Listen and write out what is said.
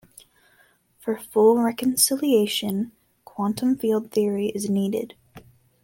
For full reconciliation, quantum field theory is needed.